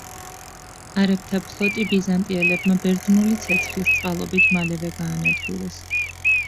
არაბთა ფლოტი ბიზანტიელებმა „ბერძნული ცეცხლის“ წყალობით მალევე გაანადგურეს.